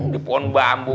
di pohon bambu